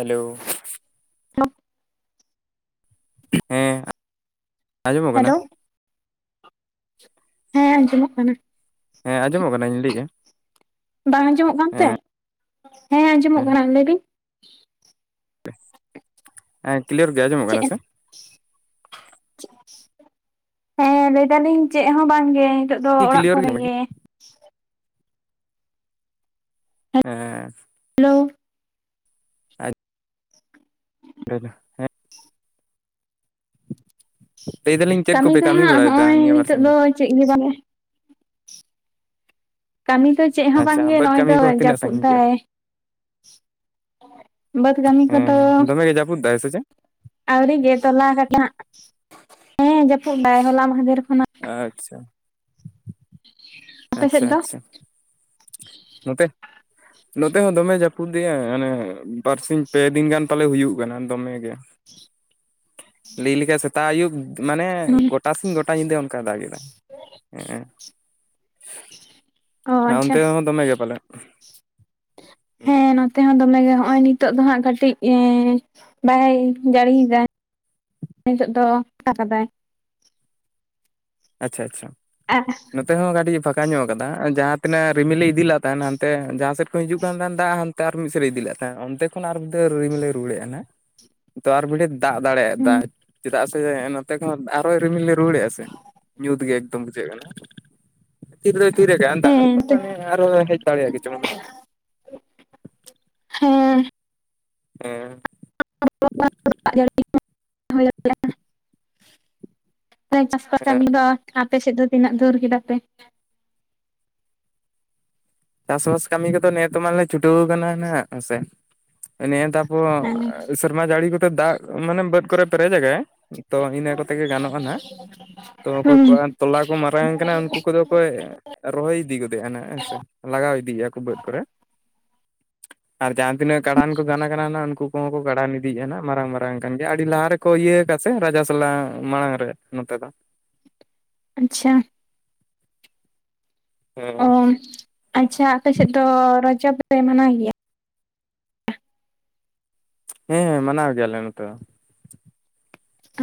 Hello. ᱦ [unintelligible] ᱦᱮᱸ ᱟᱸᱡᱚᱢᱚᱜ ᱠᱟᱱᱟ ᱾ ᱦᱮᱞᱳ ᱦᱮᱸ ᱟᱸᱡᱚᱢᱚᱜ ᱠᱟᱱᱟ ᱾ ᱦᱮᱸ ᱟᱸᱡᱚᱢᱚᱜ ᱠᱟᱱᱟᱧ ᱞᱟᱹᱭᱮᱜᱼᱟ ᱾ ᱵᱟᱝ ᱟᱸᱡᱚᱢᱚᱜ ᱠᱟᱱᱛᱮ ᱦᱮᱸ ᱟᱸᱡᱚᱢᱚᱜ ᱠᱟᱱᱟ ᱞᱟᱹᱭ ᱵᱤᱱ? ᱦᱮᱸ ᱠᱤᱞᱭᱟᱨ ᱜᱮ ᱟᱸᱡᱚᱢᱚᱜ ᱪᱮᱫ ᱠᱟᱱᱟ ᱥᱮ ᱦᱮᱸ ᱞᱟᱹᱭ ᱫᱟᱞᱤᱧ ᱪᱮᱫ ᱦᱚᱸ ᱵᱟᱝᱜᱮ ᱾ ᱱᱤᱛᱚᱜ ᱫᱚ ᱚᱲᱟᱜ ᱠᱞᱤᱭᱟᱨ ᱠᱚᱨᱮ ᱟᱸᱡᱚᱢᱚᱜ ᱦᱮᱸ ᱜᱮ ᱾ ᱦᱮᱸ ᱦᱮᱞᱳ ᱟᱸᱡᱼᱼ ᱞᱟᱹᱭᱢᱮ? ᱞᱟᱹᱭ ᱫᱟᱞᱤᱧ ᱪᱮᱫ ᱠᱟᱹᱢᱤ ᱠᱚᱯᱮ ᱫᱚᱦᱟᱸᱜ ᱵᱟᱲᱟᱭᱮᱫᱟ ᱱᱚᱜᱼᱚᱭ ᱱᱤᱭᱟᱹ ᱱᱤᱛᱳᱜ ᱵᱟᱨᱥᱤᱧ ᱫᱚ ᱪᱮᱫ ᱜᱮ ᱵᱟᱱᱩᱜ-ᱟ᱾ ᱠᱟᱹᱢᱤ ᱫᱚ ᱪᱮᱫ ᱦᱚᱸ ᱵᱟᱝ ᱟᱪᱪᱷᱟ ᱜᱮ ᱵᱟᱹᱫᱽ ᱱᱚᱜᱼᱚᱭ ᱫᱚ ᱠᱟᱹᱢᱤ ᱠᱚ ᱛᱤᱱᱟᱹᱜ ᱡᱟᱹᱯᱩᱫ ᱥᱟᱺᱜᱤᱧ ᱫᱟᱭ, ᱠᱮᱫᱟ ᱵᱟᱹᱫᱽ ᱠᱟᱹᱢᱤ ᱠᱚᱫᱚᱼᱼ ᱦᱮᱸ ᱫᱚᱢᱮ ᱜᱮ ᱡᱟᱹᱯᱩᱫ ᱫᱟᱭ ᱥᱮ ᱪᱮᱫ ᱟᱹᱣᱨᱤᱜᱮ ᱛᱚᱞᱟᱦᱟᱴᱟᱜ ᱦᱮᱸ ᱡᱟᱹᱯᱩᱫ ᱫᱟᱭ ᱦᱚᱞᱟ ᱢᱟᱦᱫᱮᱨ ᱠᱷᱚᱱᱟᱜ᱾ ᱟᱪᱪᱷᱟ ᱟᱯᱮ ᱟᱪᱪᱷᱟ ᱥᱮᱫ ᱫᱚ ᱟᱪᱪᱷᱟ᱾ ᱱᱚᱛᱮᱼᱼ ᱱᱚᱛᱮ ᱦᱚᱸ ᱫᱚᱢᱮ ᱡᱟᱹᱯᱩᱫᱮᱜᱭᱟ ᱢᱟᱱᱮ ᱵᱟᱨᱥᱤᱧ ᱯᱮ ᱫᱤᱱ ᱜᱟᱱ ᱯᱟᱞᱮ ᱦᱩᱭᱩᱜ ᱠᱟᱱᱟ ᱫᱚᱢᱮ ᱜᱮ ᱼᱼ ᱞᱟᱹᱭ ᱞᱮᱠᱷᱟ ᱥᱮᱛᱟᱜ ᱟᱹᱭᱩᱵ ᱢᱟᱱᱮ ᱜᱚᱴᱟ ᱥᱤᱧ ᱜᱚᱴᱟ ᱧᱤᱫᱟᱹ ᱚᱱᱠᱟ ᱫᱟᱜ ᱮᱫᱟ᱾ ᱚ ᱦᱮᱸ ᱟᱪᱪᱷᱟ ᱚᱱᱛᱮ ᱦᱚᱸ ᱫᱚᱢᱮ ᱜᱮ ᱯᱟᱞᱮᱜ ᱾ ᱦᱮᱸ ᱱᱚᱛᱮ ᱦᱚᱸ ᱫᱚᱢᱮ ᱜᱮ ᱦᱚᱜᱼᱚᱭ ᱱᱤᱛᱚᱜ ᱫᱚ ᱦᱟᱸᱜ ᱠᱟᱹᱴᱤᱡ ᱼᱼ ᱵᱟᱭ ᱡᱟᱹᱲᱤᱭ ᱫᱟ ᱱᱤᱛᱚᱜ ᱫᱚ ᱯᱷᱟᱠᱟ ᱠᱟᱫᱟᱭ ᱾ ᱟᱪᱪᱷᱟ ᱟᱪᱪᱷᱟ᱾ ᱟᱨ ᱼᱼ [inaudible] ᱱᱚᱛᱮ ᱦᱚᱸ ᱠᱟᱹᱴᱤᱡ ᱯᱷᱟᱸᱠᱟ ᱧᱚᱜ ᱟᱠᱟᱫᱟ ᱡᱟᱦᱟᱸ ᱛᱤᱱᱟᱹᱜ ᱨᱤᱢᱤᱞᱤ ᱤᱫᱤ ᱞᱮᱫ ᱛᱟᱦᱮᱸᱱ ᱦᱟᱱᱛᱮ ᱡᱟᱦᱟᱸ ᱥᱮᱫ ᱠᱷᱚᱡ ᱦᱤᱡᱩᱜ ᱠᱟᱱ ᱛᱟᱦᱮᱸᱱ ᱫᱟᱜ ᱼᱼ ᱛᱟᱨ ᱢᱤᱫᱥᱮᱜ ᱨᱮ ᱤᱫᱤ ᱞᱮᱫ ᱛᱟᱦᱮᱸ ᱚᱱᱛᱮ ᱠᱷᱚᱱ ᱟᱨ ᱢᱤᱫ ᱨᱤᱢᱤᱞᱮ ᱨᱩᱣᱟᱹᱲᱮᱜ ᱟᱱᱟ ᱾ ᱛᱟᱨ ᱵᱚᱞᱮ ᱫᱟᱜ ᱫᱟᱲᱮᱭᱟᱜ ᱫᱟᱭ ᱦᱮᱸ ᱫᱟᱜ ᱪᱮᱫᱟᱜ ᱥᱮ ᱱᱚᱛᱮ ᱠᱷᱚᱱ ᱟᱨᱚᱭ ᱨᱤᱢᱤᱞ ᱞᱮ ᱨᱩᱣᱟᱹᱲᱮᱜᱼᱟ ᱥᱮ ᱾ ᱧᱩᱛᱜᱮ ᱮᱠᱫᱚᱢ ᱵᱩᱡᱷᱟᱹᱜ ᱠᱟᱱᱟ᱾ ᱛᱤᱱ ᱨᱮ ᱛᱤᱨᱮ ᱜᱮ ᱫᱟᱜ ᱦᱮᱸ ᱢᱟᱱᱮ ᱟᱨᱚ ᱦᱮᱡ ᱫᱟᱲᱮᱭᱟᱜ ᱜᱮᱪᱚᱝ ᱦᱟᱸᱜ ᱾ ᱦᱮᱸ ᱼᱼ ᱦᱮᱸ ᱼᱼ [unintelligible] ᱫᱟᱜ ᱡᱟᱹᱲᱤ ᱦᱩᱭᱩᱜ ᱜᱮᱭᱟ ᱾ ᱦ [inaudible] ᱪᱟᱥᱟ ᱦᱮᱸ ᱠᱟᱹᱢᱤ ᱫᱚ ᱟᱯᱮ ᱥᱮᱫ ᱫᱚ ᱛᱤᱱᱟᱹᱜ ᱫᱷᱩᱨ ᱠᱮᱫᱟ ᱯᱮ, ᱪᱟᱥᱵᱟᱥ ᱠᱟᱹᱢᱤ ᱠᱚᱫᱚ ᱱᱮᱛ ᱢᱟᱞᱮ ᱪᱷᱩᱴᱟᱹᱣ ᱠᱟᱱᱟ ᱦᱟᱸᱜ ᱦᱮᱥᱮ ᱾ ᱱᱮ ᱛᱟᱯᱚᱨ ᱦᱮᱸ ᱥᱮᱨᱢᱟ ᱡᱟᱹᱲᱤ ᱠᱚᱛᱮ ᱫᱟᱜ ᱢᱟᱱᱮ ᱵᱟᱹᱫᱽ ᱠᱚᱨᱮ ᱯᱮᱨᱮᱡ ᱮᱜᱮ ᱾ ᱛᱚ ᱤᱱᱟᱹ ᱠᱚᱛᱮ ᱜᱮ ᱜᱟᱱᱚᱜᱼᱟ ᱱᱟᱜ ᱛᱚ ᱚᱠᱚᱭ ᱦᱩᱸ ᱠᱚᱣᱟᱜ ᱼᱼ ᱛᱚᱞᱟ ᱠᱚ ᱢᱟᱨᱟᱝ ᱠᱟᱱᱟ ᱩᱱᱠᱩ ᱠᱚᱫᱚ ᱠᱚ ᱨᱚᱦᱚᱭ ᱤᱫᱤ ᱜᱚᱫᱮᱼᱟ ᱱᱟᱜ ᱦᱮᱸ ᱥᱮ᱾ ᱞᱟᱜᱟᱣ ᱤᱫᱤ ᱟᱠᱚ ᱵᱟᱹᱫᱽ ᱠᱚᱨᱮ ᱟᱨ ᱡᱟᱦᱟᱸ ᱛᱤᱱᱟᱹᱜ ᱠᱟᱲᱟᱱ ᱠᱚ ᱜᱟᱱ ᱠᱟᱱᱟ ᱩᱱᱠᱩᱼᱼ ᱟᱠᱚ ᱦᱚᱸᱠᱚ ᱠᱟᱲᱟᱱ ᱤᱫᱤᱜᱼᱟ ᱦᱟᱸᱜ ᱢᱟᱨᱟᱝ ᱢᱟᱨᱟᱝ ᱠᱟᱱ ᱜᱮᱭᱟ ᱟᱹᱰᱤ ᱞᱟᱦᱟ ᱨᱮᱠᱚ ᱤᱭᱟᱹ ᱟᱠᱟᱫ ᱥᱮ ᱨᱟᱡᱟ ᱥᱟᱞᱟᱜ ᱢᱟᱲᱟᱝ ᱨᱮ ᱱᱚᱛᱮ ᱫᱚ ᱾ ᱟᱪᱪᱷᱟ ᱾ ᱦᱮᱸ ᱚ ᱼᱼ ᱟᱪᱪᱷᱟ ᱟᱯᱮ ᱥᱮᱫ ᱫᱚ ᱨᱚᱡᱚ ᱫᱚᱯᱮ ᱢᱟᱱᱟᱭᱤ ᱜᱮᱭᱟ? ᱦᱮᱸ ᱢᱟᱱᱟᱣ ᱜᱮᱭᱟᱞᱮ ᱱᱚᱛᱮ ᱫᱚ ᱾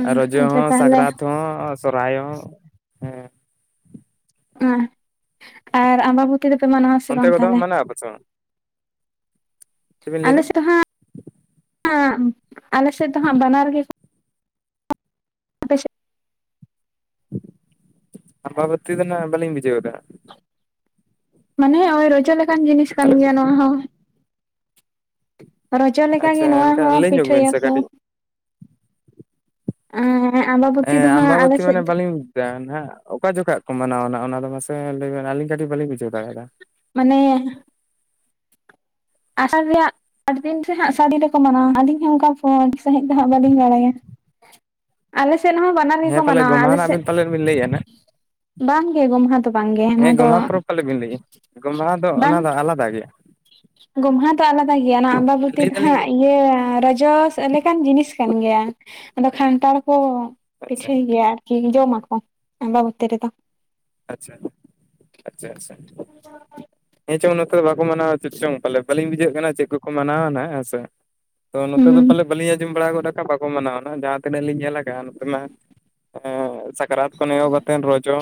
ᱟᱨ ᱨᱚᱡᱚ ᱟᱪᱪᱷᱟ ᱦᱚᱸ ᱛᱟᱦᱚᱞᱮ ᱥᱟᱠᱨᱟᱛ ᱦᱚᱸ ᱥᱚᱨᱦᱟᱭ ᱦᱚᱸ ᱦᱮᱸ ᱾ ᱦᱮᱸ ᱟᱨ ᱟᱢᱵᱟᱵᱚᱛᱤ ᱫᱚᱯᱮ ᱢᱟᱱᱟᱣᱟ ᱥᱮ ᱵᱟᱝ ᱛᱟᱞᱮ? ᱯᱪ [inaudible] ᱟᱞᱮ ᱥᱮᱫ ᱫᱚ ᱦᱟᱸᱜ ᱟᱞᱮ ᱥᱮᱫ ᱫᱚ ᱦᱟᱜ ᱵᱟᱱᱟᱨ ᱜᱮ ᱼᱼ ᱟᱯᱮᱥᱮᱜᱼᱼ ᱟᱢᱵᱟᱵᱚᱛᱤ ᱫᱚ ᱱᱟᱜ ᱵᱟᱞᱤᱧ ᱵᱩᱡᱷᱟᱹᱣ ᱮᱫᱟ ᱾ ᱢᱟᱱᱮ ᱚᱭ ᱨᱚᱡᱚ ᱞᱮᱠᱟᱱ ᱡᱤᱱᱤᱥ ᱠᱟᱱ ᱜᱮᱭᱟ ᱱᱚᱣᱟ ᱦᱚᱸ ᱾ ᱨᱚᱡᱚ ᱞᱮᱠᱟ ᱜᱮ ᱟᱪᱪᱷᱟ ᱱᱚᱣᱟ ᱮᱱᱠᱷᱟᱱ ᱦᱚᱸ ᱞᱟᱹᱭ ᱧᱚᱜ ᱵᱤᱱ ᱥᱮ ᱯᱤᱴᱷᱟᱹᱭᱟᱠᱚ ᱠᱟᱹᱴᱤᱡ ᱾ ᱦ [inaudible] ᱮᱸ ᱟᱢᱵᱟᱵᱚᱛᱤ ᱢᱟᱱᱮ ᱵᱟᱹᱞᱤᱧ ᱜᱟᱱ ᱦᱟᱸᱜ, ᱚᱠᱟ ᱡᱚᱠᱷᱟᱜ ᱠᱚ ᱢᱟᱱᱟᱣᱟ ᱚᱱᱟ ᱫᱚ ᱢᱟᱥᱮ ᱞᱟᱹᱭᱵᱮᱱ ᱟᱹᱞᱤᱧ ᱠᱟᱹᱴᱤᱡ ᱵᱟᱹᱞᱤᱧ ᱵᱩᱡᱷᱟᱹᱣ ᱫᱟᱲᱮᱭᱟᱫᱟ? ᱢᱟᱱᱮ ᱟᱥᱟᱲ ᱨᱮᱭᱟᱜ ᱟᱹᱰᱤ ᱫᱤᱱ ᱥᱮ ᱦᱟᱸᱜ ᱥᱟᱰᱤ ᱫᱚᱠᱚ ᱢᱟᱱᱟᱣᱟ ᱟᱞᱤᱧ ᱦᱚᱸ ᱚᱱᱠᱟ ᱯᱷᱳᱱ ᱥᱟᱦᱤᱡ ᱫᱚ ᱦᱟᱸᱜ ᱵᱟᱞᱤᱧ ᱵᱟᱲᱟᱭᱟ᱾ ᱟᱞᱮ ᱥᱮᱫ ᱦᱚᱸ ᱵᱟᱱᱟᱨ ᱜᱮᱠᱚ ᱦᱮᱸ ᱯᱟᱞᱮ ᱢᱟᱱᱟᱣᱟ ᱜᱚᱢᱦᱟ ᱟᱞᱮ ᱱᱟᱜ ᱥᱮᱜ ᱵᱤᱱ ᱯᱟᱞᱮᱫ ᱵᱤᱱ ᱞᱟᱹᱭᱮᱫᱼᱟ ᱱᱟᱜ ᱵᱟᱝᱜᱮ ᱜᱚᱢᱦᱟ ᱫᱚ ᱵᱟᱝᱜᱮ ᱱᱚᱣᱟ ᱦᱮᱸ ᱫᱚ ᱜᱚᱢᱦᱟ ᱯᱚᱨᱚᱵᱽ ᱯᱟᱞᱮ ᱵᱤᱱ ᱞᱟᱹᱭᱮᱫᱼᱟ ᱜᱚᱢᱦᱟ ᱫᱚ ᱚᱱᱟ ᱵᱟᱝ ᱫᱚ ᱟᱞᱟᱫᱟ ᱜᱮᱭᱟ᱾ ᱜᱚᱢᱦᱟ ᱫᱚ ᱟᱞᱫᱟ ᱜᱮᱭᱟ, ᱱᱟᱦᱟᱜ ᱟᱢᱵᱟᱵᱚᱛᱤ ᱞᱟᱹᱭ ᱫᱚ ᱦᱟᱸᱜ ᱫᱟᱞᱤᱧ ᱤᱭᱟᱹ ᱨᱚᱡᱚᱥ᱾ ᱞᱮᱠᱟᱱ ᱡᱤᱱᱤᱥ ᱠᱟᱱ ᱜᱮᱭᱟ ᱟᱫᱚ, ᱠᱷᱟᱱᱴᱟᱲ ᱠᱚ ᱟᱪᱪᱷᱟ ᱯᱤᱴᱷᱟᱹᱭ ᱜᱮᱭᱟ᱾ ᱠᱤᱝ ᱡᱚᱢ ᱢᱟᱠᱚ ᱟᱢᱵᱟᱵᱚᱛᱤ ᱨᱮᱫᱚ᱾ ᱟᱪᱪᱷᱟ, ᱟᱪᱪᱷᱟ ᱟᱪᱪᱷᱟ, ᱦᱮᱸ ᱪᱚ ᱱᱚᱛ ᱱᱚᱛᱮ ᱫᱚ ᱵᱟᱠᱚ ᱢᱟᱱᱟᱣᱟ ᱪᱮᱫ ᱪᱚᱝ ᱯᱟᱞᱮ ᱵᱟᱞᱤᱧ ᱵᱩᱡᱷᱟᱹᱜ ᱠᱟᱱᱟ ᱪᱮᱜ ᱠᱚᱠᱚ ᱢᱟᱱᱟᱣᱟ ᱱᱟᱜ ᱦᱮᱸ ᱥᱮ? ᱛᱚ ᱱᱚᱛᱮ ᱫᱚ ᱦᱩᱸ ᱯᱟᱞᱮ ᱵᱟᱞᱤᱧ ᱟᱸᱡᱚᱢ ᱵᱟᱲᱟ ᱜᱚᱫ ᱠᱟᱜ ᱵᱟᱠᱚ ᱢᱟᱱᱟᱣᱱᱟᱜ ᱡᱟᱦᱟᱸ ᱛᱤᱱᱟᱹᱜ ᱞᱤᱧ ᱧᱮᱞ ᱠᱟᱜᱼᱟ ᱱᱚᱛᱮ ᱢᱟ ᱥᱟᱠᱨᱟᱛ ᱠᱷᱚᱱ ᱮᱦᱚᱵ ᱟᱛᱮᱱ ᱨᱚᱡᱚ᱾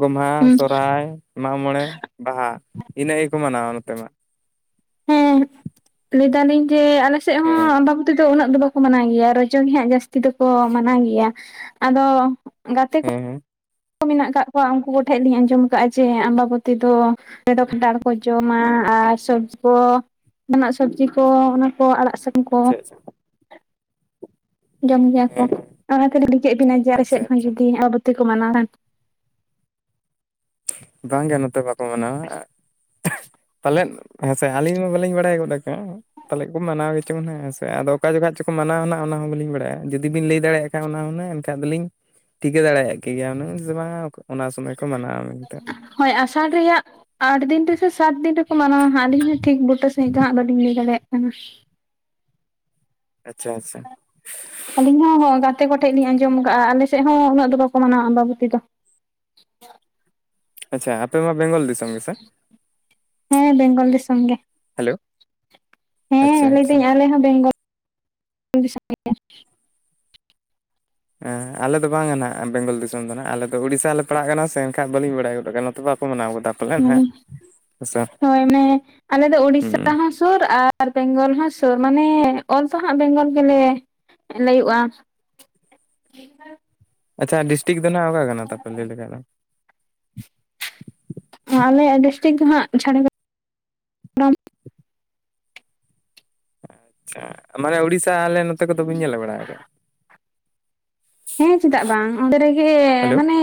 ᱜᱚᱢᱦᱟ ᱦᱩᱸ ᱥᱚᱨᱦᱟᱭ ᱢᱟᱜᱽ ᱢᱚᱬᱮ ᱵᱟᱦᱟ ᱤᱱᱟᱹᱜ ᱜᱮᱠᱚ ᱢᱟᱱᱟᱣᱟ ᱱᱚᱛᱮ ᱢᱟ᱾ ᱦᱮᱸ, ᱞᱟᱹᱭ ᱫᱟᱞᱤᱧ ᱡᱮ ᱟᱞᱮᱥᱮᱫ ᱦᱮᱸ, ᱟᱢᱵᱟᱵᱚᱛᱤ ᱫᱚ ᱩᱱᱟᱹᱜ ᱫᱚ ᱵᱟᱠᱚ ᱢᱟᱱᱟᱣ ᱜᱮᱭᱟ ᱨᱚᱡᱚ ᱜᱮ ᱦᱟᱸᱜ ᱡᱟᱹᱥᱛᱤ ᱫᱚᱠᱚ ᱢᱟᱱᱟᱣ ᱜᱮᱭᱟ᱾ ᱟᱫᱚ ᱜᱟᱛᱮ ᱠᱚ, ᱦᱮᱸ ᱦᱮᱸ, ᱢᱮᱱᱟᱜ ᱟᱠᱟᱫ ᱠᱚᱣᱟ ᱩᱱᱠᱩ ᱠᱚᱴᱷᱮᱡ ᱞᱤᱧ ᱟᱸᱡᱚᱢ ᱠᱟᱜᱼᱟ ᱡᱮ ᱟᱢᱵᱟᱵᱚᱛᱤ ᱫᱚ, ᱚ ᱫᱚ ᱠᱷᱚᱴᱟᱲ ᱠᱚ ᱡᱚᱢᱟ ᱟᱨ ᱥᱚᱵᱡᱤ ᱠᱚ, ᱡᱟᱦᱟᱱᱟᱜ ᱥᱚᱵᱽᱡᱤ ᱠᱚ ᱚᱱᱟ ᱠᱚ ᱟᱲᱟᱜ ᱥᱟᱠᱟ ᱟᱪᱪᱷᱟ ᱟᱪᱪᱷᱟ, ᱡᱚᱢ ᱜᱮᱭᱟ ᱠᱚ ᱦᱮᱸ ᱚᱱᱟᱛᱮᱞᱤ ᱠᱩᱞᱤ ᱠᱮᱫ ᱵᱤᱱᱟ ᱡᱮ ᱟᱞᱮ ᱟᱪᱪᱷᱟ ᱥᱮᱫ ᱦᱚᱸ ᱟᱪᱪᱷᱟ ᱡᱩᱫᱤ ᱟᱢᱵᱟᱵᱚᱛᱤ ᱠᱚ ᱢᱟᱱᱟᱣ ᱠᱷᱟᱱ? ᱵᱟᱝᱜᱮ ᱱᱚᱛᱮ ᱵᱟᱠᱚ ᱢᱟᱱᱟᱣᱟ᱾ ᱯᱟᱞᱮᱫ, ᱦᱮᱸᱥᱮ ᱟᱹᱞᱤᱧ ᱢᱟ ᱵᱟᱹᱞᱤᱧ ᱵᱟᱲᱟᱭ ᱜᱚᱫ ᱠᱟᱜ-ᱟ᱾ ᱯᱟᱞᱮᱜ ᱠᱚ ᱢᱟᱱᱟᱣ ᱜᱮᱪᱚᱝ ᱱᱟᱜ ᱦᱮᱸ ᱥᱮ ᱟᱫᱚ ᱚᱠᱟ ᱡᱚᱠᱷᱟᱡ ᱪᱚᱠᱚ ᱢᱟᱱᱟᱣᱟ ᱱᱟᱜ ᱚᱱᱟ ᱦᱚᱸ ᱵᱟᱹᱞᱤᱧ ᱵᱟᱲᱟᱭᱟ ᱡᱩᱫᱤᱵᱤᱱ ᱞᱟᱹᱭ ᱫᱟᱲᱮᱭᱟᱜ, ᱮᱠᱷᱟᱱ ᱚᱱᱟ ᱦᱩᱱᱟᱹᱜ ᱮᱱᱠᱟᱱ ᱫᱚᱞᱤᱧ ᱴᱷᱤᱠᱟᱹ ᱫᱟᱲᱮᱭᱟᱜ ᱠᱮ ᱜᱮᱭᱟ ᱦᱩᱱᱟᱹᱝ ᱥᱮ ᱵᱟᱝ ᱚᱱᱟ ᱥᱚᱢᱚᱭ ᱠᱚ ᱢᱟᱱᱟᱣᱟ᱾ ᱢᱮᱱᱛᱮ ᱦᱳᱭ ᱟᱥᱟᱲ ᱨᱮᱭᱟᱜ, ᱟᱴ ᱫᱤᱱ ᱨᱮᱥᱮ ᱥᱟᱛ ᱫᱤᱱ ᱨᱮᱠᱚ ᱢᱟᱱᱟᱣᱟ ᱦᱟᱸᱜ ᱟᱹᱞᱤᱧ ᱦᱚᱸ ᱴᱷᱤᱠ ᱵᱩᱴᱟᱹ ᱥᱟᱺᱦᱤᱡ ᱫᱚ ᱦᱟᱸᱜ ᱵᱟᱹᱞᱤᱧ ᱞᱟᱹᱭ ᱫᱟᱲᱮᱭᱟᱜ ᱠᱟᱱᱟ᱾ ᱟᱪᱪᱷᱟ ᱟᱪᱪᱷᱟ, ᱟᱹᱞᱤᱧ ᱦᱚᱸ ᱜᱟᱛᱮ ᱠᱚᱴᱷᱮᱱᱡ ᱞᱤᱧ ᱟᱸᱡᱚᱢ ᱠᱟᱼᱟ, ᱟᱞᱮ ᱥᱮᱫ ᱦᱚᱸ ᱩᱱᱟᱹᱜ ᱫᱚ ᱵᱟᱠᱚ ᱢᱟᱱᱟᱣᱟ ᱟᱢᱵᱟᱵᱩᱛᱤ ᱫᱚ᱾ ᱟᱪᱪᱷᱟ ᱟᱯᱮ ᱢᱟ ᱵᱮᱝᱜᱚᱞ ᱫᱤᱥᱚᱢ ᱜᱮᱥᱮ? ᱦᱮᱸ ᱵᱮᱝᱜᱚᱞ ᱫᱤᱥᱚᱢ ᱜᱮ ᱦᱮᱞᱳ? ᱟᱪᱪᱷᱟ ᱦᱮᱸ ᱟᱪᱪᱷᱟ ᱞᱟᱹᱭᱫᱟᱹᱧ ᱟᱞᱮ ᱦᱚᱸ ᱵᱮᱝᱜᱚᱞ [unintelligible] ᱫᱤᱥᱚᱢ ᱜᱮ᱾ ᱦᱮᱸ ᱟᱞᱮ ᱫᱚ ᱵᱟᱝᱟ ᱱᱟᱜ ᱵᱮᱝᱜᱚᱞ ᱫᱤᱥᱚᱢ ᱫᱚ ᱱᱟᱜ ᱟᱞᱮ ᱫᱚ ᱩᱲᱤᱥᱥᱟ ᱞᱮ ᱯᱟᱲᱟᱜ ᱠᱟᱱᱟ ᱥᱮ ᱮᱱᱠᱷᱟᱱ ᱵᱟᱹᱞᱤᱧ ᱵᱟᱲᱟᱭ ᱜᱚᱫ ᱠᱟᱱᱟ ᱱᱚᱛᱮ ᱵᱟᱠᱚ ᱢᱟᱱᱟᱣ ᱜᱚᱫᱟ᱾ ᱯᱟᱞᱮᱱ ᱦᱟᱸᱜ ᱦᱮᱸ, ᱦᱮᱸᱥᱮ ᱦᱳᱭ ᱢᱟᱱᱮ ᱟᱞᱮ ᱫᱚ ᱩᱲᱤᱥᱥᱟ ᱦᱩᱸ ᱦᱚᱸ, ᱥᱩᱨ ᱟᱨ ᱵᱮᱝᱜᱚᱞ ᱦᱚᱸ ᱥᱩᱨ ᱢᱟᱱᱮ ᱚᱞ ᱫᱚ ᱦᱟᱸᱜ ᱵᱮᱝᱜᱚᱞ ᱜᱮᱞᱮ ᱞᱟᱹᱭᱚᱜᱼᱟ᱾ ᱟᱪᱪᱷᱟ ᱰᱤᱥᱴᱤᱠ ᱫᱚ ᱱᱟᱜ ᱚᱠᱟ ᱠᱟᱱᱟ ᱛᱟᱯᱮ ᱞᱟᱹᱭ ᱞᱮᱠᱟ ᱫᱚ, ᱟᱞᱮ ᱰᱤᱥᱴᱤᱠ ᱫᱚ ᱦᱟᱸᱜ ᱡᱷᱟᱨ ᱟᱪᱪᱷᱟ, ᱢᱟᱱᱮ ᱩᱲᱤᱥᱥᱟ ᱟᱞᱮ ᱱᱚᱛᱮ ᱠᱚᱫᱚ ᱵᱤᱱ ᱧᱮᱞ ᱵᱟᱲᱟ ᱠᱟᱜ-ᱟ᱾ ᱦᱮᱸ ᱪᱮᱫᱟᱜ ᱵᱟᱝ ᱚᱸᱰᱮ ᱨᱮᱜᱮ ᱦᱮᱞᱳ ᱢᱟᱱᱮ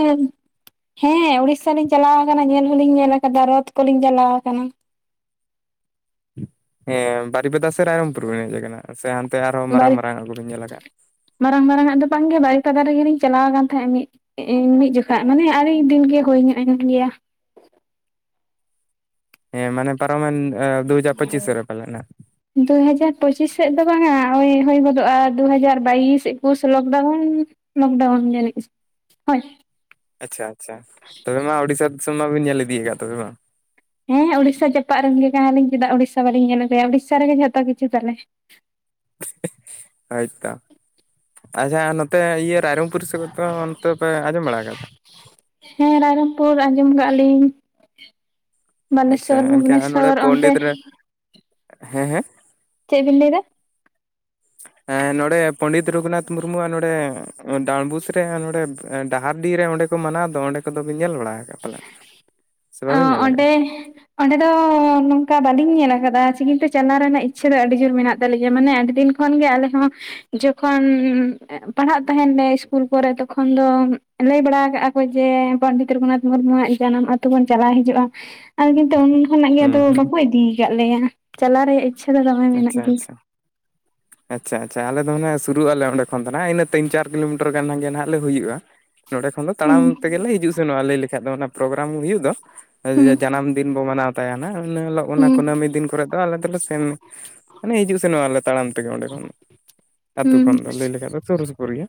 ᱦᱮᱸ ᱩᱲᱤᱥᱟ ᱞᱤᱧ ᱪᱟᱞᱟᱣ ᱟᱠᱟᱱᱟ ᱧᱮᱞ ᱦᱚᱞᱤᱧ ᱧᱮᱞ ᱟᱠᱟᱫᱟ ᱨᱚᱛᱷ ᱠᱚᱞᱤᱧ ᱪᱟᱞᱟᱣ ᱟᱠᱟᱱᱟ᱾ ᱦᱮᱸ ᱵᱟᱨᱤᱯᱟᱫᱟ ᱥᱮ ᱨᱟᱭᱨᱚᱝᱯᱩᱨ ᱵᱮᱱ ᱦᱮᱡ ᱟᱠᱟᱱᱟ ᱥᱮ ᱦᱟᱱᱛᱮ ᱟᱨᱦᱚᱸ ᱵᱟᱨ ᱢᱟᱨᱟᱝ ᱢᱟᱨᱟᱝ ᱠᱚ ᱵᱮᱱ ᱧᱮᱞ ᱟᱠᱟᱜᱼᱟ᱾ ᱢᱟᱨᱟᱝ ᱢᱟᱨᱟᱝ ᱟᱜ ᱫᱚ ᱵᱟᱝ ᱜᱮ ᱵᱟᱨᱤᱯᱟᱫᱟ ᱨᱮᱜᱮ ᱞᱤᱧ ᱪᱟᱞᱟᱣ ᱟᱠᱟᱱ ᱛᱟᱦᱮᱸᱫ ᱢᱤᱫ ᱤᱧ ᱢᱤᱫ ᱡᱚᱠᱷᱟᱜ ᱢᱟᱱᱮ ᱟᱹᱞᱤᱧ ᱫᱤᱱ ᱜᱮ ᱦᱩᱭ ᱧᱚᱜ ᱮᱱ ᱜᱮᱭᱟ᱾ ᱦᱮᱸ ᱢᱟᱱᱮ ᱯᱟᱨᱚᱢᱮᱱ ᱮ ᱫᱩ ᱦᱟᱡᱟᱨ ᱯᱟᱪᱤᱥ ᱨᱮ ᱯᱟᱞᱮᱜ ᱦᱟᱸᱜ ᱫᱩᱦᱟᱡᱟᱨ ᱯᱚᱪᱤᱥ ᱥᱮᱫ ᱫᱚ ᱵᱟᱝᱼᱟ ᱳᱭ ᱦᱩᱭ ᱜᱚᱫᱚᱜᱼᱟ ᱫᱩ ᱦᱟᱡᱟᱨ ᱵᱟᱭᱤᱥ ᱮᱠᱩᱥ ᱞᱚᱠᱰᱟᱣᱩᱱ ᱞᱚᱠᱰᱟᱣᱩᱱ ᱧᱮᱞ ᱦᱳᱭ ᱟᱪᱪᱷᱟ ᱟᱪᱪᱷᱟ ᱛᱚᱵᱮ ᱢᱟ ᱩᱲᱤᱥᱟ ᱫᱤᱥᱚᱢ ᱢᱟᱵᱤᱱ ᱧᱮᱞ ᱤᱫᱤᱭᱠᱟᱫ ᱛᱚᱵᱮ ᱵᱟᱝ ᱦᱮᱸ ᱩᱲᱤᱥᱟ ᱡᱟᱯᱟᱜ ᱨᱮᱱ ᱜᱮ ᱠᱟᱱᱟ ᱞᱤᱧ ᱪᱮᱫᱟᱜ ᱩᱲᱤᱥᱟ ᱵᱟᱞᱤᱧ ᱧᱮᱞ ᱟᱹᱜᱩᱭᱟ᱾ ᱩᱲᱤᱥᱟ ᱨᱮ ᱡᱷᱚᱛᱚ ᱠᱤᱪᱷᱩ ᱛᱟᱞᱮ [unintelligible] ᱦᱳᱭ ᱛᱚ ᱟᱪᱪᱷᱟ ᱱᱚᱛᱮ ᱤᱭᱟᱹ ᱨᱟᱭᱨᱚᱝᱯᱩᱨ ᱥᱩᱨ ᱫᱚ ᱱᱚᱛᱮ ᱯᱮ ᱟᱸᱡᱚᱢ ᱵᱟᱲᱟ ᱟᱠᱟᱫᱟ᱾ ᱦᱮᱸ ᱨᱟᱭᱨᱚᱝᱯᱩᱨ ᱟᱸᱡᱚᱢ ᱟᱠᱟᱫ ᱞᱤᱧ ᱟᱪᱪᱷᱟ ᱵᱟᱞᱮᱥᱥᱚᱨ ᱵᱷᱩᱵᱱᱮᱥᱥᱚᱨ ᱚᱱᱛᱮ ᱦᱮᱸᱻᱦᱮᱸᱻ ᱪᱮᱫ ᱵᱤᱱ ᱞᱟᱹᱭᱫᱟ ᱮᱸ ᱱᱚᱸᱲᱮ ᱯᱚᱸᱰᱤᱛ ᱨᱚᱜᱷᱩᱱᱟᱛᱷ ᱢᱩᱨᱢᱩᱣᱟᱜ ᱱᱚᱸᱲᱮ ᱰᱟᱸᱰᱵᱩᱥ ᱨᱮ ᱦᱟᱸᱜ ᱱᱚᱸᱲᱮ ᱰᱟᱦᱟᱨᱰᱤᱦ ᱚᱸᱰᱮ ᱠᱚ ᱢᱟᱱᱟᱣ ᱫᱚ ᱚᱸᱰᱮ ᱠᱚᱫᱚ ᱵᱤᱱ ᱧᱮᱞ ᱵᱟᱲᱟ ᱟᱠᱟᱫ ᱯᱟᱞᱮ ᱥᱮ ᱚ ᱵᱟᱹᱵᱤᱱ ᱧᱮᱞ ᱟᱠᱟᱫᱼᱟ᱾ [unintelligible] ᱚᱸᱰᱮ ᱫᱚ ᱱᱚᱝᱠᱟ ᱵᱟᱹᱞᱤᱧ ᱧᱮᱞ ᱟᱠᱟᱫᱟ ᱪᱤᱠᱤᱱᱛᱮ ᱪᱟᱞᱟᱣ ᱨᱮᱱᱟᱜ ᱤᱪᱪᱷᱟᱹ ᱫᱚ ᱟᱹᱰᱤ ᱡᱳᱨ ᱢᱮᱱᱟᱜ ᱛᱟᱹᱞᱤᱧᱟ ᱢᱟᱱᱮ ᱟᱹᱰᱤ ᱫᱤᱱ ᱛᱚᱠᱷᱚᱱ ᱜᱮ ᱟᱞᱮ ᱦᱚᱸ ᱡᱚᱠᱷᱚᱱ ᱯᱟᱲᱦᱟᱜ ᱛᱟᱦᱮᱱ ᱞᱮ ᱤᱥᱠᱩᱞ ᱠᱚᱨᱮ ᱛᱚᱠᱷᱚᱱ ᱫᱚ ᱞᱟᱹᱭ ᱵᱟᱲᱟ ᱠᱟᱜᱼᱟ ᱠᱚ ᱡᱮ ᱯᱚᱸᱰᱤᱛ ᱨᱚᱜᱷᱩᱱᱟᱛᱷ ᱢᱩᱨᱢᱩ ᱣᱟᱜ ᱡᱟᱱᱟᱢ ᱟᱛᱳ ᱵᱚᱱ ᱪᱟᱞᱟᱣ ᱦᱤᱡᱩᱜᱼᱟ ᱟᱨ ᱠᱤᱱᱛᱩ ᱩᱱ ᱠᱷᱚᱱᱟᱜ ᱜᱮ ᱦᱩᱸ ᱟᱫᱚ ᱦᱩᱸ ᱵᱟᱠᱚ ᱤᱫᱤ ᱠᱟᱜ ᱞᱮᱭᱟ ᱪᱟᱞᱟᱣ ᱨᱮᱭᱟᱜ ᱤᱪᱪᱷᱟᱹ ᱫᱚ ᱫᱚᱢᱮ ᱢᱮᱱᱟᱜ ᱟᱪᱪᱷᱟ ᱜᱮᱭᱟ ᱟᱪᱪᱷᱟ ᱟᱪᱪᱷᱟ ᱟᱪᱪᱷᱟ ᱟᱞᱮ ᱫᱚ ᱦᱟᱸᱜ ᱥᱩᱨᱩᱜ ᱟᱞᱮ ᱚᱸᱰᱮ ᱠᱷᱚᱱ ᱫᱚ ᱱᱷᱟᱜ ᱤᱱᱟᱹ ᱛᱤᱱ ᱪᱟᱨ ᱠᱤᱞᱳᱢᱤᱴᱟᱨ ᱜᱟᱱ ᱜᱮ ᱱᱟᱦᱟᱜ ᱞᱮ ᱦᱩᱭᱩᱜᱼᱟ᱾ ᱱᱚᱸᱰᱮ ᱠᱷᱚᱱ ᱫᱚ ᱦᱮᱸ ᱛᱟᱲᱟᱢ ᱛᱮᱜᱮ ᱞᱮ ᱦᱤᱡᱩᱜ ᱥᱮᱱᱚᱜᱼᱟ ᱞᱟᱹᱭ ᱞᱮᱠᱷᱟᱡ ᱫᱚ ᱚᱱᱟ ᱯᱨᱳᱜᱨᱟᱢ ᱦᱩᱭᱩᱜ ᱫᱚ ᱱᱚᱜᱼᱚᱭ ᱦᱩᱸ ᱡᱮ ᱡᱟᱱᱟᱢ ᱫᱤᱱ ᱵᱚᱱ ᱢᱟᱱᱟᱣ ᱛᱟᱭᱟ ᱱᱷᱟᱜ ᱩᱱᱟ ᱦᱤᱞᱚᱜ ᱚᱱᱟ ᱦᱩᱸ ᱠᱩᱱᱟᱹᱢᱤ ᱫᱤᱱ ᱠᱚᱨᱮ ᱫᱚ ᱟᱞᱮ ᱫᱚᱞᱮ ᱥᱮᱱ ᱢᱟᱱᱮ ᱦᱤᱡᱩᱜ ᱥᱮᱱᱚᱜ ᱟᱞᱮ ᱛᱟᱲᱟᱢ ᱛᱮᱜᱮ ᱚᱸᱰᱮ ᱠᱷᱚᱱ ᱟᱹᱛᱩ ᱦᱩᱸ ᱠᱷᱚᱱ ᱫᱚ ᱞᱟᱹᱭ ᱞᱮᱠᱷᱟᱱ ᱫᱚ ᱥᱩᱨ ᱥᱩᱯᱩᱨ ᱜᱮ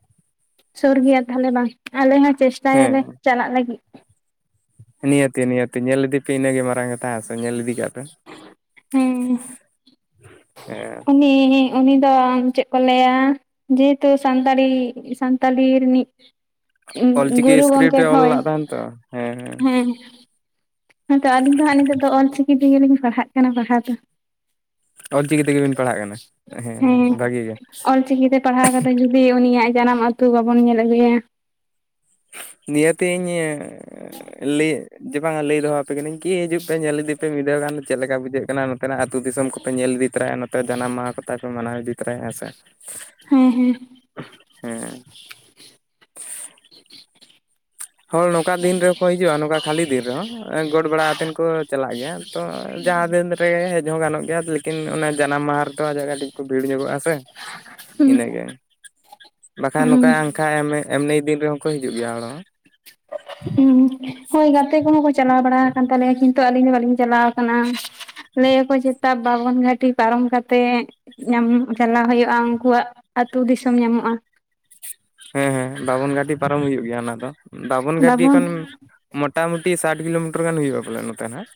ᱥᱩᱨ ᱜᱮᱭᱟ ᱛᱟᱦᱞᱮ ᱵᱟᱝ ᱟᱞᱮ ᱦᱚᱸ ᱪᱮᱥᱴᱟᱭᱟᱞᱮ ᱪᱟᱞᱟᱜ ᱞᱟᱹᱜᱤᱫ ᱱᱤᱭᱟᱺᱛᱤ ᱱᱤᱭᱟᱺᱛᱤ ᱧᱮᱞ ᱤᱫᱤ ᱯᱮ ᱤᱱᱟᱹ ᱜᱮ ᱢᱟᱨᱟᱝ ᱠᱟᱛᱷᱟ ᱟᱥ ᱧᱮᱞ ᱤᱫᱤ ᱠᱟᱜ ᱯᱮ ᱦᱮᱸ᱾ ᱦᱮᱸ ᱩᱱᱤ ᱩᱱᱤ ᱫᱚ ᱪᱮᱫ ᱠᱚ ᱞᱟᱹᱭᱟ ᱡᱮᱦᱮᱛᱩ ᱥᱟᱱᱛᱟᱲᱤ ᱥᱟᱱᱛᱟᱲᱤ ᱨᱤᱱᱤᱡ [unintelligible] ᱚᱞᱪᱤᱠᱤ ᱜᱩᱨᱩ ᱥᱠᱨᱤᱯᱴ ᱜᱚᱝᱠᱮ ᱨᱮ ᱚᱞ ᱦᱳᱭ ᱞᱟᱜ ᱛᱟᱦᱮᱱ ᱛᱚ ᱦᱮᱸ ᱦᱮᱸ ᱦᱮᱸ ᱛᱚ ᱟᱹᱞᱤᱧ ᱫᱚ ᱦᱟᱸᱜ ᱱᱤᱛᱚᱜ ᱫᱚ ᱚᱞᱪᱤᱠᱤ ᱛᱮᱜᱮ ᱞᱤᱧ ᱯᱟᱲᱦᱟᱜ ᱠᱟᱱᱟ ᱯᱟᱲᱦᱟᱣ ᱫᱚ ᱚᱞᱪᱤᱠᱤ ᱛᱮᱜᱮ ᱵᱤᱱ ᱯᱟᱲᱦᱟᱜ ᱠᱟᱱᱟ ᱦᱮᱸᱻᱦᱮᱸᱻ ᱵᱷᱟᱹᱜᱤ ᱜᱮ ᱪᱤᱠᱤ ᱛᱮ ᱯᱟᱲᱦᱟᱣ ᱠᱟᱛᱮ ᱡᱩᱫᱤ ᱩᱱᱤᱭᱟᱜ ᱡᱟᱱᱟᱢ ᱟᱹᱛᱩ ᱵᱟᱵᱚᱱ ᱧᱮᱞ ᱟᱹᱜᱩᱭᱟ᱾ ᱱᱤᱭᱟᱹᱛᱤᱧ ᱞᱟᱹᱭᱟᱹᱜ ᱡᱮ ᱵᱟᱝ ᱞᱟᱹᱭ ᱫᱚᱦᱚ ᱟᱯᱮ ᱠᱟᱹᱱᱟᱹᱧ ᱠᱤ ᱦᱤᱡᱩᱜ ᱯᱮ ᱧᱮᱞ ᱤᱫᱤ ᱯᱮ ᱢᱤᱫ ᱫᱷᱟᱹᱣ ᱜᱟᱱ ᱪᱮᱫ ᱞᱮᱠᱟ ᱵᱩᱡᱷᱟᱹᱜ ᱠᱟᱱᱟ ᱱᱚᱛᱮ ᱱᱟᱜ ᱟᱹᱛᱩ ᱫᱤᱥᱚᱢ ᱠᱚ ᱯᱮ ᱧᱮᱞ ᱤᱫᱤ ᱛᱚᱨᱟᱭᱟ ᱱᱚᱛᱮ ᱡᱟᱱᱟᱢ ᱢᱟᱦᱟ ᱠᱚᱛᱟᱭ ᱯᱮ ᱢᱟᱱᱟᱣ ᱤᱫᱤ ᱛᱚᱨᱟᱭᱟ ᱦᱮᱸ ᱥᱮ ᱦᱮᱸᱻᱦᱮᱸᱻ ᱦᱮᱸ᱾ [inaudible] ᱦᱚᱲ ᱱᱚᱝᱠᱟ ᱫᱤᱱ ᱨᱮᱦᱚᱸ ᱠᱚ ᱦᱤᱡᱩᱜᱼᱟ ᱱᱚᱝᱠᱟ ᱠᱷᱟᱹᱞᱤ ᱫᱤᱱ ᱨᱮᱦᱚᱸ ᱟᱸ ᱜᱚᱴ ᱵᱟᱲᱟ ᱟᱛᱮᱱ ᱠᱚ ᱪᱟᱞᱟᱜ ᱜᱮᱭᱟ ᱛᱚ ᱡᱟᱦᱟᱸ ᱫᱤᱱ ᱨᱮ ᱦᱮᱡ ᱦᱚᱸ ᱜᱟᱱᱚᱜ ᱜᱮᱭᱟ ᱛᱤᱱ ᱚᱱᱟ ᱡᱟᱱᱟᱢ ᱢᱟᱦᱟ ᱨᱮᱫᱚ ᱡᱟᱭᱜᱟ ᱴᱤᱜ ᱠᱚ ᱵᱷᱤᱲ ᱧᱚᱜᱚᱜᱼᱟ ᱥᱮ ᱦᱩᱸ ᱤᱱᱟᱹᱜᱮ, ᱵᱟᱠᱷᱟᱱ ᱦᱩᱸ ᱱᱚᱝᱠᱟ ᱟᱝᱠᱷᱟ ᱮᱢ ᱮᱢᱱᱤ ᱫᱤᱱ ᱨᱮᱦᱚᱸ ᱠᱚ ᱦᱤᱡᱩᱜ ᱜᱮᱭᱟ ᱦᱚᱲ ᱦᱚᱸ ᱩᱸ, ᱦᱳᱭ ᱜᱟᱛᱮ ᱠᱚᱦᱚᱸ ᱠᱚ ᱪᱟᱞᱟᱣ ᱵᱟᱲᱟ ᱟᱠᱟᱱ ᱛᱟᱞᱮᱭᱟ ᱠᱤᱱᱛᱩ ᱟᱹᱞᱤᱧ ᱫᱚ ᱵᱟᱹᱞᱤᱧ ᱪᱟᱞᱟᱣ ᱟᱠᱟᱱᱟ, ᱞᱟᱹᱭᱟᱠᱚ ᱪᱮᱛᱟ ᱵᱟᱵᱟᱱ ᱜᱷᱟᱴᱤ ᱯᱟᱨᱚᱢ ᱠᱟᱛᱮᱜ, ᱧᱟᱢ ᱪᱟᱞᱟᱣ ᱦᱩᱭᱩᱜᱼᱟ ᱩᱱᱠᱩᱣᱟᱜ ᱟᱹᱛᱩ ᱫᱤᱥᱚᱢ ᱧᱟᱢᱚᱜᱼᱟ, ᱦᱮᱸ ᱦᱮᱸ ᱵᱟᱵᱚᱱ ᱜᱟᱹᱰᱤ ᱯᱟᱨᱚᱢ ᱦᱩᱭᱩᱜ ᱜᱮᱭᱟ ᱚᱱᱟ ᱫᱚ ᱵᱟᱵᱚᱱ ᱜᱟᱹᱰᱤ ᱠᱷᱚᱱ ᱢᱚᱴᱟᱢᱩᱴᱤ ᱥᱟᱴ ᱠᱤᱞᱳᱢᱤᱴᱟᱨ ᱜᱟᱱ ᱦᱩᱭᱩᱜᱼᱟ ᱵᱚᱞᱮ ᱱᱚᱛᱮ ᱱᱟᱦᱟᱜ,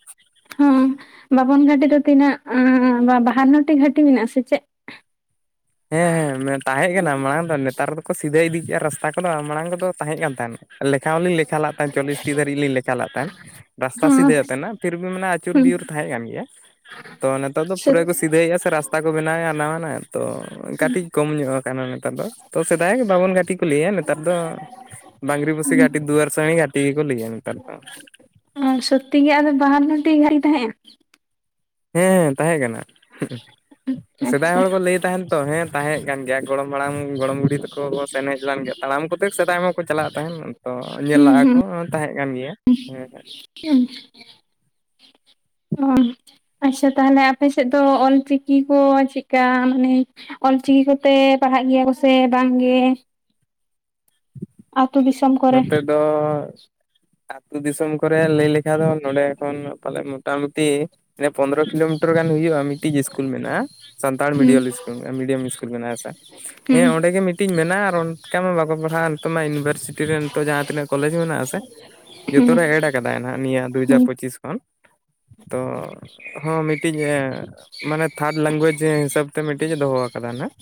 ᱦᱩᱸ ᱵᱟᱵᱚᱱ ᱜᱷᱟᱴᱤ ᱫᱚ ᱛᱤᱱᱟᱹᱜ ᱵᱟᱦᱟᱱᱱᱚᱴᱤ ᱜᱷᱟᱴᱤ ᱢᱮᱱᱟᱜ ᱥᱮ ᱪᱮᱫ, ᱦᱮᱸ ᱦᱮᱸ ᱛᱟᱦᱮᱸ ᱠᱟᱱᱟ ᱢᱟᱲᱟᱝ ᱫᱚ ᱱᱮᱛᱟᱨ ᱫᱚᱠᱚ ᱥᱤᱫᱟᱹ ᱤᱫᱤ ᱠᱮᱫᱼᱟ ᱨᱟᱥᱛᱟ ᱠᱚ ᱫᱚ ᱢᱟᱬᱟᱝ ᱠᱚᱫᱚ ᱛᱟᱦᱮᱸ ᱠᱟᱱ ᱛᱟᱦᱮᱸᱱᱟ, ᱞᱮᱠᱷᱟ ᱦᱚᱸ ᱞᱤᱧ ᱞᱮᱠᱷᱟ ᱞᱟᱫ ᱛᱟᱦᱮᱸᱫ ᱪᱚᱞᱞᱤᱥ ᱴᱤ ᱫᱷᱟᱹᱨᱤᱡ ᱞᱤ ᱞᱮᱠᱷᱟ ᱞᱮᱫ ᱛᱟᱦᱮᱸᱫ, ᱨᱟᱥᱛᱟ ᱥᱤᱫᱷ ᱛᱟᱦᱮᱸᱱᱟ᱾ ᱛᱤᱨᱵᱤ ᱢᱟᱱᱮ ᱟᱪᱩᱨ ᱵᱤᱭᱩᱨ ᱛᱟᱦᱮᱸᱜ ᱠᱟᱱ ᱜᱮᱭᱟ, ᱛᱚ ᱱᱤᱛᱟᱨ ᱫᱚ ᱯᱩᱨᱟᱹ ᱠᱚ ᱥᱤᱫᱷᱼᱟ ᱥᱮ ᱨᱟᱥᱛ ᱛᱟ ᱠᱚ ᱵᱮᱱᱟᱣ ᱮᱫ-ᱟ ᱱᱟᱣᱟᱱᱟᱜ ᱛᱚ ᱠᱟᱹᱴᱤᱡ, ᱠᱚᱢ ᱧᱚᱜ ᱠᱟᱱᱟ ᱱᱮᱛᱟᱨ ᱫᱚ ᱛᱚ ᱥᱮᱫᱟᱭ ᱜᱮ ᱵᱟᱵᱚᱱ ᱜᱷᱟᱰᱤ ᱠᱚ ᱞᱟᱹᱭᱟ ᱱᱮᱛᱟᱨ ᱫᱚ ᱵᱟᱝᱨᱤ ᱯᱚᱥᱤ ᱦᱚᱸ ᱜᱷᱟᱴᱤ ᱫᱩᱣᱟᱹᱨ ᱥᱟᱬᱤ ᱜᱷᱟᱴᱤ ᱜᱮ ᱠᱚ ᱞᱟᱹᱭᱟ ᱱᱮᱛᱟᱨ ᱫᱚ, ᱚ ᱥᱚᱛᱛᱤ ᱜᱮ ᱟᱫᱚ ᱵᱟᱦᱟᱱᱱᱚᱴᱤ ᱜᱷᱟᱴᱤ ᱛᱟᱦᱮᱸᱜ-ᱟ, ᱦᱮᱸᱻᱦᱮᱸ ᱛᱟᱦᱮᱸ ᱠᱟᱱᱟ ᱥᱮᱫᱟᱭ ᱟᱪᱪᱷᱟ ᱦᱚᱲ ᱠᱚ ᱞᱟᱹᱭ ᱛᱟᱦᱮᱱ ᱛᱚ ᱦᱮᱸ ᱛᱟᱦᱮᱸᱜ ᱠᱟᱱ ᱜᱮᱭᱟ, ᱜᱚᱲᱚᱢ ᱦᱟᱲᱟᱢ ᱜᱚᱲᱚᱢ ᱵᱩᱲᱰᱤ ᱛᱟᱠᱚ ᱠᱚ ᱥᱮᱱ ᱦᱮᱡ ᱞᱮᱱ ᱜᱮᱭᱟ ᱛᱟᱲᱟᱢ ᱠᱚᱛᱮ ᱥᱮᱫᱟᱭ ᱢᱟᱠᱚ ᱪᱟᱞᱟᱜ ᱛᱟᱦᱮᱸᱱ ᱛᱚ ᱧᱮᱞ ᱦᱩᱸ ᱞᱟᱜᱼᱟ ᱦᱩᱸ ᱠᱚ, ᱛᱟᱸᱦᱮᱜ ᱠᱟᱱ ᱜᱮᱭᱟ ᱦᱮᱸ ᱦᱮᱸ [inaudible] ᱚᱸᱻ ᱟᱪᱪᱷᱟ ᱛᱟᱦᱚᱞᱮ ᱟᱯᱮ ᱥᱮᱫ ᱫᱚ ᱚᱞᱪᱤᱠᱤ ᱠᱚ ᱪᱮᱫᱠᱟ ᱢᱟᱱᱮ, ᱚᱞᱪᱤᱠᱤ ᱠᱚᱛᱮ ᱯᱟᱲᱦᱟᱜ ᱜᱮᱭᱟ ᱠᱚᱥᱮ ᱵᱟᱝ ᱜᱮ? ᱟᱛᱳ ᱫᱤᱥᱚᱢ ᱠᱚᱨᱮ, ᱱᱚᱛᱮ ᱫᱚ ᱟᱹᱛᱩ ᱫᱤᱥᱚᱢ ᱠᱚᱨᱮ ᱞᱟᱹᱭ ᱞᱮᱠᱷᱷᱟ ᱫᱚ ᱱᱚᱸᱰᱮ ᱠᱷᱚᱱ ᱯᱟᱞᱮ ᱱᱚ ᱢᱚᱴᱟᱢᱩᱴᱤ ᱯᱚᱱᱨᱚ ᱠᱤᱞᱳᱢᱤᱴᱚᱨ ᱜᱟᱱ ᱦᱩᱭᱩᱜᱼᱟ ᱢᱤᱫ ᱴᱤᱡ ᱤᱥᱠᱩᱞ ᱢᱮᱱᱟᱜᱼᱟ ᱥᱟᱱᱛᱟᱲ ᱦᱩᱸ ᱢᱤᱰᱤᱭᱚᱞ ᱤᱥᱠᱩᱞ ᱢᱮᱱᱟᱜᱼᱟ ᱢᱤᱰᱤᱭᱟᱢ ᱤᱥᱠᱩᱞ ᱢᱮᱱᱟᱜᱼᱟ ᱥᱮ ᱦᱮᱸ ᱚᱸᱰᱮ ᱦᱩᱸ ᱜᱮ ᱢᱤᱫ ᱛᱤᱧ ᱢᱮᱱᱟ ᱟᱨ ᱚᱱᱠᱟ ᱢᱟ ᱵᱟᱠᱚ ᱯᱟᱲᱦᱟᱜᱼᱟ ᱱᱤᱛᱚᱜ ᱢᱟ ᱤᱱᱵᱷᱟᱨᱥᱤᱴᱤ ᱨᱮᱱ ᱱᱤᱛᱚᱜ ᱡᱟᱦᱟᱸ ᱛᱤᱱᱟᱹᱜ ᱠᱚᱞᱮᱡᱽ ᱢᱮᱱᱟᱜᱼᱟ ᱥᱮ, ᱡᱚᱛᱚ ᱨᱮ ᱦᱮᱰ ᱠᱟᱫᱟᱭ ᱱᱟᱦᱟᱜ ᱱᱤᱭᱟᱹ ᱫᱩ ᱦᱟᱡᱟᱨ ᱯᱚᱸᱪᱤᱥ ᱠᱷᱚᱱ, ᱛᱚ ᱦᱚᱸ ᱢᱤᱜᱴᱤᱡ ᱮᱸᱻ ᱢᱟᱱᱮ ᱛᱷᱟᱨᱰ ᱞᱮᱝᱜᱩᱭᱮᱡ ᱦᱤᱥᱟᱹᱵ ᱛᱮ ᱢᱤᱫᱴᱤᱡ ᱮ ᱫᱚᱦᱚ ᱠᱟᱫᱟ ᱱᱷᱟᱜ,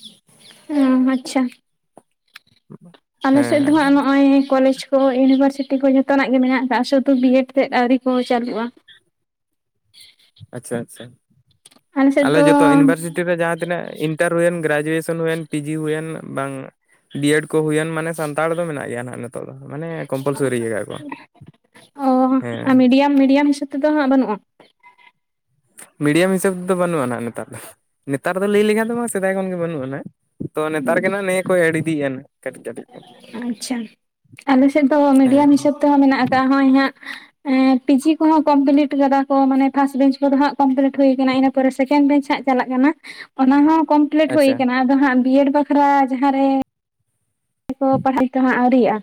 ᱚ ᱟᱪᱪᱷᱟ, [unintelligible] ᱟᱞᱮ ᱥᱮᱫ ᱫᱚ ᱦᱮᱸ ᱦᱟᱸᱜ ᱱᱚᱜᱼᱚᱭ ᱠᱚᱞᱮᱡᱽ, ᱛᱚ ᱤᱭᱩᱱᱤᱵᱷᱟᱨᱥᱤᱴᱤ ᱠᱚ ᱡᱷᱚᱛᱚᱱᱟᱜ ᱜᱮ ᱢᱮᱱᱟᱜ ᱟᱠᱟᱜ ᱥᱩᱫᱩ ᱵᱤᱭᱮᱰ ᱛᱮᱫ ᱟᱹᱣᱨᱤ ᱠᱚ ᱪᱟᱹᱞᱩᱜᱼᱟ, ᱟᱪᱪᱷᱟ ᱟᱪᱪᱷᱟ ᱥᱮᱫ ᱟᱞᱮ ᱫᱚ ᱡᱚᱛᱚ ᱤᱱᱤᱵᱟᱨᱥᱤᱴᱤ ᱨᱮ ᱡᱟᱦᱟᱸ ᱛᱤᱱᱟᱹᱜ ᱤᱱᱴᱟᱨ ᱦᱩᱭᱮᱱ ᱜᱨᱮᱡᱩᱭᱮᱥᱚᱱ ᱥᱚᱱ ᱦᱩᱭᱮᱱ ᱯᱤᱡᱤ ᱦᱩᱭᱮᱱ ᱵᱟᱝ ᱵᱤᱭᱮᱰ ᱠᱩ ᱦᱩᱭᱮᱱ ᱢᱟᱱᱮ ᱥᱟᱱᱛᱟᱲ ᱫᱚ ᱢᱮᱱᱟᱜ ᱜᱮᱭᱟ ᱱᱟᱜ ᱱᱤᱛ ᱚ ᱦᱮᱸ ᱟ ᱢᱤᱰᱤᱭᱟᱢ ᱢᱤᱰᱤᱭᱟᱢ ᱦᱤᱥᱟᱹᱵ ᱛᱮᱫᱚ ᱦᱟᱸᱜ ᱵᱟᱹᱱᱩᱜᱼᱟ? ᱢᱤᱰᱤᱭᱟᱢ ᱦᱤᱥᱟᱹᱵ ᱛᱮᱫᱚ ᱵᱟᱹᱱᱩᱜᱼᱟ ᱱᱟᱦᱟᱜ ᱱᱮᱛᱟᱨ ᱫᱚ ᱱᱮᱛᱟᱨ ᱫᱚ ᱞᱟᱹᱭ ᱞᱮᱠᱷᱟᱱ ᱫᱚ ᱵᱟᱝ ᱥᱮᱫᱟᱭ ᱠᱷᱚᱱᱜᱮ ᱵᱟᱹᱱᱩᱜᱼᱟ ᱱᱟᱦᱟᱜ, ᱛᱚ ᱱᱮᱛᱟᱨ ᱜᱮ ᱱᱟᱸᱜ ᱱᱮᱜ-ᱮ ᱠᱚ ᱮᱰ ᱤᱫᱤᱭᱮᱜᱼᱟ ᱱᱟᱜ ᱠᱟᱹᱴᱤᱡ ᱠᱟᱹᱴᱤᱡ ᱟᱪᱪᱷᱟ ᱟᱞᱮ ᱥᱮᱫ ᱫᱚ ᱢᱤᱰᱤᱭᱟᱢ ᱦᱮᱸ ᱦᱤᱥᱟᱹᱵ ᱛᱮᱦᱚᱸ ᱢᱮᱱᱟᱜ ᱠᱟᱜᱼᱟ ᱦᱚᱸᱜᱼᱚᱭ ᱦᱟᱸᱜ, ᱮᱸ ᱯᱤᱡᱤ ᱠᱚᱦᱚᱸ ᱠᱚᱢᱯᱞᱤᱴ ᱠᱟᱫᱟ ᱠᱚ ᱢᱟᱱᱮ ᱯᱷᱟᱥᱴ ᱵᱮᱪ ᱠᱚᱫᱚ ᱦᱟᱸᱜ ᱠᱚᱢᱯᱞᱤᱴ ᱦᱩᱭ ᱠᱟᱱᱟ ᱤᱱᱟᱹ ᱯᱚᱨᱮ ᱥᱮᱠᱮᱱᱰ ᱵᱮᱪ ᱦᱟᱸᱜ ᱪᱟᱞᱟᱜ ᱠᱟᱱᱟ ᱚᱱᱟ ᱦᱚᱸ ᱠᱚᱢ, ᱯᱞᱤᱴ ᱦᱩᱭ ᱟᱪᱪᱷᱟ ᱠᱟᱱᱟ ᱟᱫᱚ ᱦᱟᱸᱜ ᱵᱤᱭᱮᱰ ᱵᱟᱠᱷᱨᱟ ᱡᱟᱦᱟᱸ ᱨᱮ, ᱠᱚ ᱯᱟᱲᱦᱟᱸᱜ ᱱᱤᱛᱚᱜ ᱦᱚᱸ ᱟᱹᱣᱨᱤᱜᱼᱟ,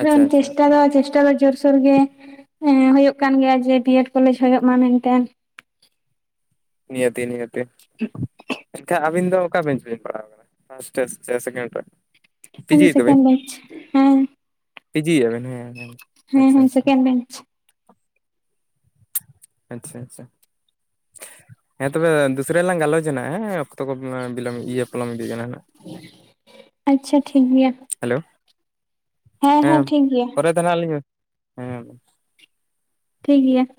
ᱟᱪᱪᱷᱟ ᱟᱪᱪᱷᱟ ᱪᱮᱥᱴᱟ ᱫᱚ ᱪᱮᱥᱴᱟ ᱫᱚ ᱡᱳᱨ, ᱥᱩᱨ ᱜᱮ ᱮᱸ ᱦᱩᱭᱩᱜ ᱠᱟᱱ ᱜᱮᱭᱟ ᱡᱮ ᱵᱤᱭᱮᱰ ᱠᱚᱞᱮᱡ ᱦᱤᱭᱩᱜ ᱢᱟ ᱢᱮᱱᱛᱮ ᱾ ᱱᱤᱭᱟᱹ ᱛᱤ ᱱᱤᱭᱟᱹᱛᱮ ᱮᱱᱠᱷᱟᱱ ᱟᱹᱵᱤᱱ ᱫᱚ ᱚᱠᱟ ᱵᱮᱧᱪ ᱵᱤᱱ ᱯᱟᱲᱟᱣ ᱠᱟᱱᱟ ᱯᱷᱟᱥ ᱴᱮᱥ ᱥᱮ ᱥᱮᱠᱮᱱᱰ ᱴᱮ? ᱟᱞᱤᱧ ᱫᱚ ᱥᱮᱠᱮᱱ ᱵᱮᱧᱪ ᱦᱮᱸ ᱾ ᱯᱤᱡᱤ ᱮᱜᱼᱟ ᱵᱮᱱ? ᱦᱮᱸ ᱦᱮᱸ ᱾ ᱦᱮᱸ ᱦᱮᱸ ᱥᱮᱠᱮᱱᱰ ᱵᱮᱧᱪ ᱾ ᱟᱪᱪᱷᱟ ᱟᱪᱪᱷᱟ ᱦᱮᱸ ᱛᱚᱵᱮ ᱫᱩᱥᱨᱟ ᱞᱟᱝ ᱜᱟᱞᱚᱪᱟ ᱱᱟᱜ ᱦᱮᱸ ᱾ ᱚᱠᱛᱚ ᱠᱚ ᱢᱟ ᱵᱤᱞᱚᱢ ᱤᱭᱟᱹ ᱯᱚᱞᱚᱢ ᱤᱫᱤ ᱠᱟᱱᱟ ᱱᱟᱜ ᱾ ᱟᱪᱪᱷᱟ ᱴᱷᱤᱠ ᱜᱮᱭᱟ ᱾ ᱦᱮᱞᱚ ᱦᱮᱸ ᱴᱷᱤᱠ ᱜᱮᱭᱟ ᱯᱚᱨᱮ ᱛᱮ ᱱᱟᱜ ᱞᱤᱧ ᱦᱮᱸ ᱴᱷᱤᱠ ᱜᱮᱭᱟ ᱾